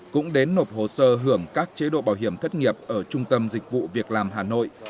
cũng đến nộp hồ sơ hưởng các chế độ bảo hiểm thất nghiệp ở trung tâm dịch vụ việc làm hà nội